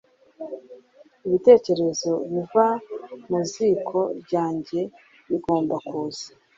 ibitekerezo biva mu ziko ryanjye bigomba kuza;